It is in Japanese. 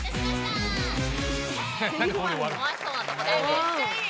めっちゃいい。